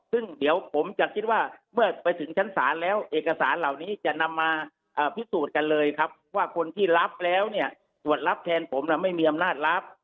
ซึ่งเดี๋ยวผมจะคิดว่าเมื่อไปถึงชั้นศาลแล้วเอกสารเหล่านี้จะนำมาพิสูจน์กันเลยครับว่าคนที่รับแล้วเนี่ยตรวจรับแทนผมไม่มีอำนาจรับ